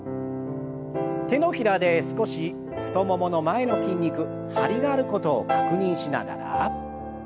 手のひらで少し太ももの前の筋肉張りがあることを確認しながら。